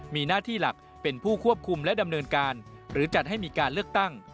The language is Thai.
มีหน้าที่หลักเป็นผู้ควบคุมและดำเนินการหรือจัดให้มีการเลือกตั้ง